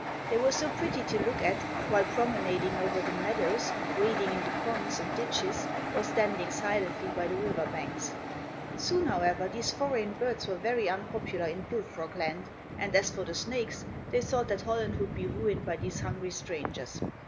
They were so pretty to look at, while promenading over the meadows, wading in the ponds and ditches, or standing silently by the river banks. Soon, however, these foreign birds were very unpopular in bullfrog land, and as for the snakes, they thought that Holland would be ruined by these hungry strangers.